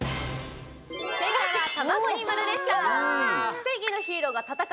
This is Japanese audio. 正解は卵に丸でした。